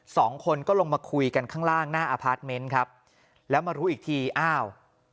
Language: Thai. สองคนก็ลงมาคุยกันข้างล่างหน้าอพาร์ทเมนต์ครับแล้วมารู้อีกทีอ้าว